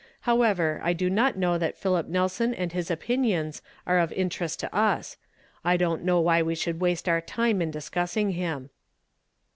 However, I do not know that Philip Nelson and his opinions are of interest to us. . I don't know why we should waste our time in discussing him."